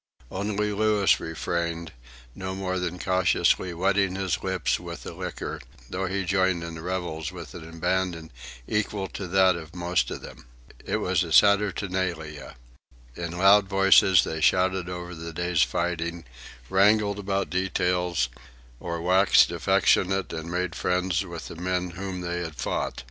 Only Louis refrained, no more than cautiously wetting his lips with the liquor, though he joined in the revels with an abandon equal to that of most of them. It was a saturnalia. In loud voices they shouted over the day's fighting, wrangled about details, or waxed affectionate and made friends with the men whom they had fought.